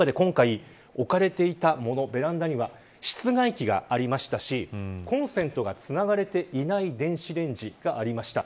今回ベランダには室外機がありましたしコンセントがつながれていない電子レンジがありました。